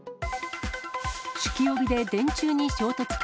酒気帯びで電柱に衝突か。